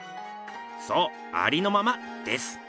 そう「ありのまま」です。